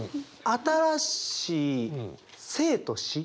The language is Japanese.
新しい生と死。